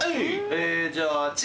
えぇじゃあ。